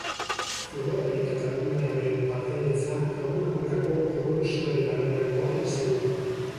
Futbolari kataluniarraren partaidetza egun hauetako eboluzioaren araberakoa izango da.